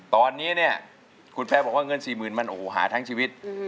ตอนนี้เนี่ยคุณแพร่บอกว่าเงิน๔๐๐๐มันโอ้โหหาทั้งชีวิต